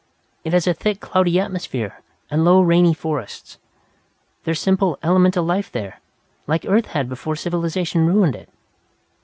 It has a thick, cloudy atmosphere, and low, rainy forests. There's simple, elemental life there like Earth had before civilization ruined it."